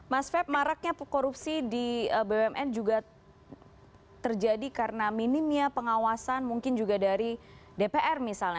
mas feb maraknya korupsi di bumn juga terjadi karena minimnya pengawasan mungkin juga dari dpr misalnya